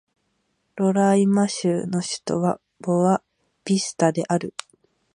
ロライマ州の州都はボア・ヴィスタである